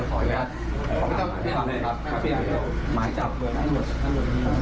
ขออนุญาตที่โรงงานอาศักดิ์ศรัพย์อันนี้สารระยะของเราที่๗๒๑๒๕๖๓